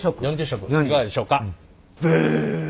４０色いかがでしょうか。